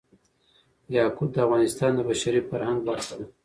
یاقوت د افغانستان د بشري فرهنګ برخه ده.